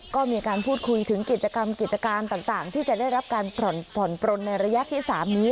ก็มีการพูดคุยถึงกิจกรรมกิจการต่างที่จะได้รับการผ่อนปลนในระยะที่๓นี้